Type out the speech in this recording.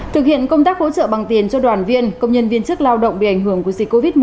thực hiện công tác hỗ trợ bằng tiền cho đoàn viên công nhân viên chức lao động bị ảnh hưởng của dịch covid một mươi chín